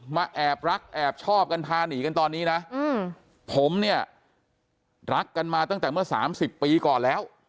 แอบรักแอบชอบกันพาหนีกันตอนนี้นะผมเนี่ยรักกันมาตั้งแต่เมื่อ๓๐ปีก่อนแล้ว